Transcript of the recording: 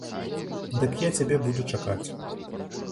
Дык я цябе буду чакаць.